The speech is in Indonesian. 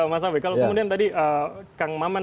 mas awi kalau kemudian tadi kang maman